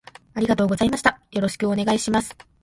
ありがとうございましたよろしくお願いします